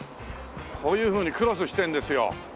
こういうふうにクロスしてるんですよ。